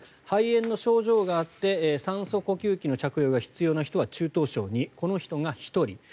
肺炎の症状があって酸素呼吸器の着用が必要な人は中等症２この人が１人。